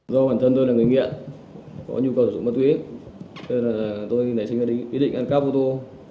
do bản thân tôi là người nghiện có nhu cầu sử dụng mất quý tôi đã xin quyết định ăn cắp ô tô